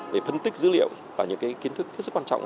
về phân tích dữ liệu và những kiến thức rất quan trọng